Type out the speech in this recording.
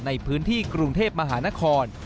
ในพื้นที่กรุงเทพมหานคร